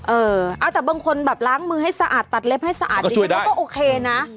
เออเอาแต่บางคนแบบล้างมือให้สะอาดตัดเล็บให้สะอาดดิฉันว่าก็โอเคนะ